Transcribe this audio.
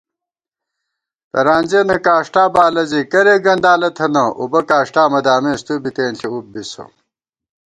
ترانزِیَنہ کاݭٹا بالہ زی کرېک گندالہ تھِبہ * اُبہ کاݭٹا مہ دامېس تُوبی تېنݪی اُب بِسہ